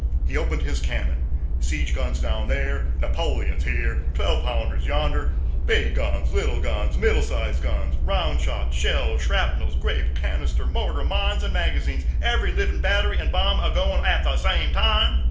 He opened his cannon, siege guns down thar, Napoleons here, twelve pounders yonder, big guns, little guns, middle sized guns, round shot, shells, shrapnels, grape, canister, mortar, mines and magazines, every livin' battery and bomb a goin' at the same time.